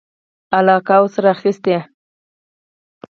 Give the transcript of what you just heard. علاقه ورسره اخیسته.